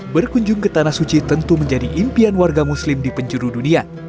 berkunjung ke tanah suci tentu menjadi impian warga muslim di penjuru dunia